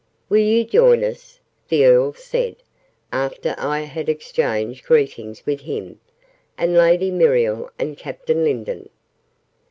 "Will you join us?" the Earl said, after I had exchanged greetings with him, and Lady Muriel, and Captain Lindon.